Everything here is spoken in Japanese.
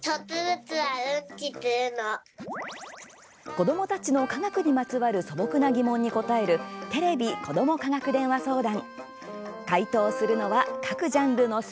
子どもたちの科学にまつわる素朴な疑問に答える「テレビ子ども科学電話相談」。